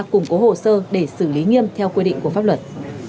củng cố hồ sơ để xử lý nghiêm theo quy định của pháp luật